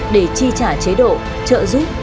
để chi trả chế độ trợ giúp